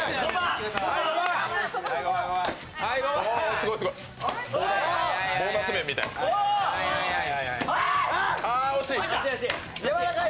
すごい、すごい。